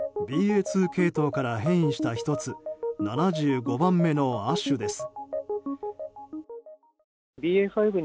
２系統から変異した１つ７５番目の亜種です。